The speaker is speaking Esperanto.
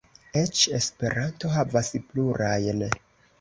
Eĉ Esperanto havas plurajn.